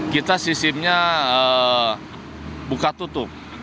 kita si simnya buka tutup